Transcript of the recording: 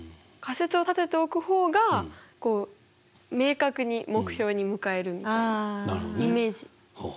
仮説を立てておく方がこう明確に目標に向かえるみたいなイメージ。